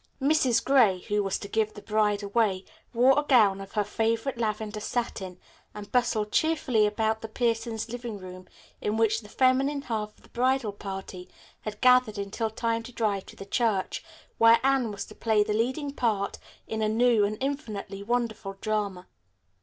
Mrs. Gray, who was to give the bride away, wore a gown of her favorite lavender satin, and bustled cheerfully about the Piersons' living room, in which the feminine half of the bridal party had gathered until time to drive to the church, where Anne was to play the leading part in a new and infinitely wonderful drama.